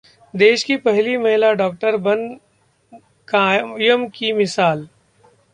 देश की पहली महिला डॉक्टर बन कायम की मिसाल